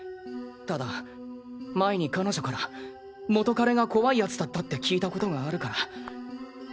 ただ前に彼女から元カレが怖い奴だったって聞いた事があるから。